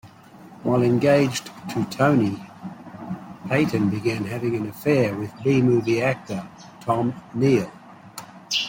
While engaged to Tone, Payton began having an affair with B-movie actor Tom Neal.